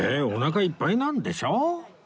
お腹いっぱいなんでしょ？